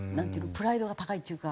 プライドが高いっていうか。